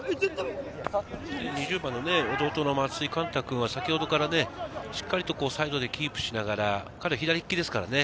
２０番の弟の松井貫太君は先ほどからしっかりサイドでキープしながら彼、左利きですからね。